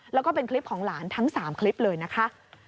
แล้วก็เป็นคลิปของหลานทั้ง๓คลิปเลยนะคะ